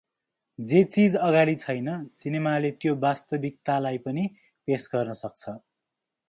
जे चीज अगाडि छैन सिनेमाले त्यो वास्तविकतालाई पनि पेस गर्न सक्छ ।